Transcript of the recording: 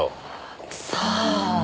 さあ。